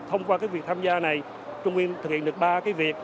thông qua việc tham gia này trung nguyên thực hiện được ba việc